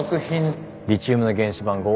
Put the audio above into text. リチウムの原子番号は３。